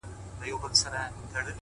هماغه عادتونه، هماغه تېروتنې،